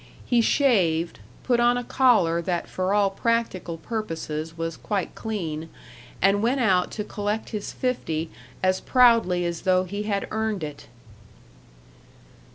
He shaved, put on a collar that for all practical purposes was quite clean, and went out to collect his fifty as proudly as though he had earned it.